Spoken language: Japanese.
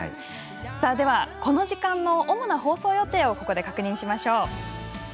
では、この時間の主な放送予定をここで確認しましょう。